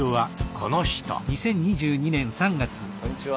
こんにちは。